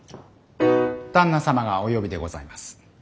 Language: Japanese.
旦那様がお呼びでございます。